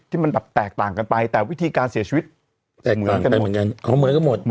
ที่มันแบบแตกต่างกันไปแต่วิธีการเสียชีวิตเหมือนกันหมด